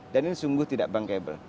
dan ini sungguh tidak bankable